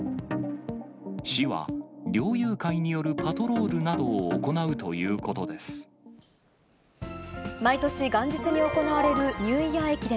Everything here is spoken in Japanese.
市は、猟友会によるパトロールな毎年元日に行われるニューイヤー駅伝。